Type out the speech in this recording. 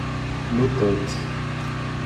Nos têtes.